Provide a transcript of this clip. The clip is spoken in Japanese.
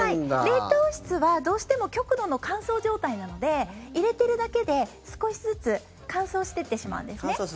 冷凍室はどうしても極度の乾燥状態なので入れてるだけで少しずつ乾燥してってしまうんですね。